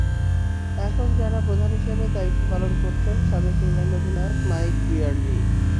এখন যার প্রধান হিসেবে দায়িত্ব পালন করছেন সাবেক ইংল্যান্ড অধিনায়ক মাইক ব্রিয়ারলি।